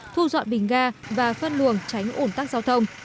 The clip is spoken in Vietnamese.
thu dọn bình ga và phân luồng tránh ủn tắc giao thông